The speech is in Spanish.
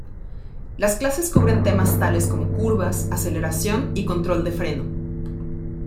Las clases cubren temas tales como curvas, aceleración y control de freno.